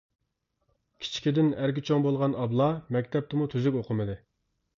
كىچىكىدىن ئەركە چوڭ بولغان ئابلا مەكتەپتىمۇ تۈزۈك ئوقۇمىدى.